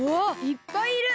いっぱいいる！